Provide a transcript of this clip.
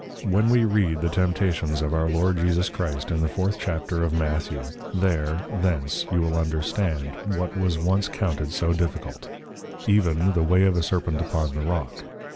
When we read the Temptations of our Lord Jesus Christ, in the Fourth Chapter of Matthew There, Thence, you will understand, what was once counted so difficult; Even, The way of a Serpent upon the Rock.